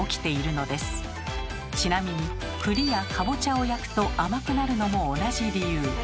ちなみにくりやかぼちゃを焼くと甘くなるのも同じ理由。